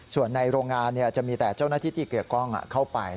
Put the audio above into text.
ส่วนในโรงงานจะมีแต่เจ้าหน้าที่ที่เกี่ยวข้องเข้าไป